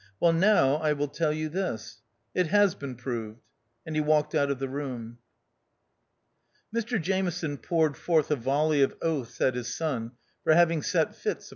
Well now, I will tell you this. It has been proved," And he walked out of the room. Mr Jameson poured forth a volley of oaths at his son for having set Fitz.